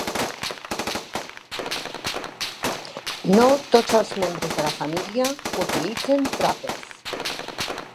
No tots els membres de la família utilitzen trapes.